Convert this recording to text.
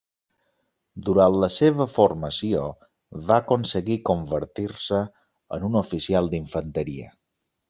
Durant la seva formació va aconseguir convertir-se en un oficial d'infanteria.